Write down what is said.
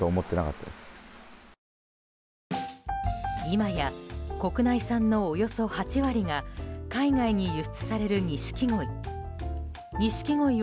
今や、国内産のおよそ８割が海外に輸出されるニシキゴイ。